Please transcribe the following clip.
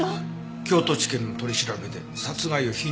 京都地検の取り調べで殺害を否認したらしい。